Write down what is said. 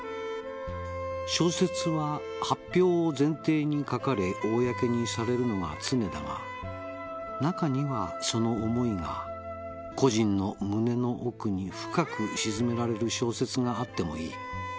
「小説は発表を前提に書かれ公にされるのが常だが中にはその思いが個人の胸の奥に深く沈められる小説があってもいい」